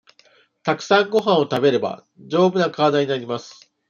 たくさんごはんを食べれば、丈夫な体になります。